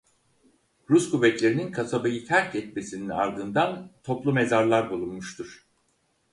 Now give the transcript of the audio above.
Rus kuvvetlerinin kasabayı terk etmesinin ardından toplu mezarlar bulunmuştur.